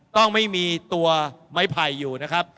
ต้องไม่มีตัวไม้ไผ่อยู่นะครับ